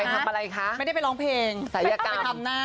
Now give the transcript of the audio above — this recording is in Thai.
ไปทำอะไรคะไม่ได้ไปร้องเพลงไปทำหน้า